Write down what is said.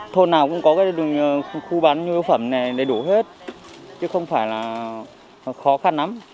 thôn nào cũng có cái khu bán nhu yếu phẩm này đầy đủ hết chứ không phải là khó khăn lắm